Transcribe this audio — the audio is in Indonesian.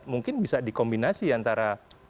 mungkin bisa dikombinasi antara